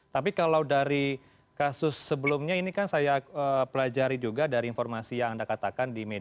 tapi kalau dari kasus sebelumnya ini kan saya pelajari juga dari informasi yang anda katakan di media